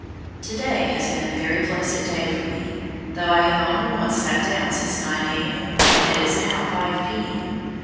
To day has been a very pleasant day for me, though I have only once sat down since 9 A.M., and it is now 5 P.M.